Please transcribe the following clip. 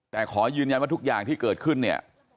แต่ขอยืนยันว่าทุกอย่างที่เกิดขึ้นเนี่ย